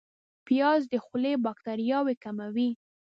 پیاز د خولې باکتریاوې کموي